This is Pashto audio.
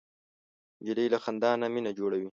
نجلۍ له خندا نه مینه جوړوي.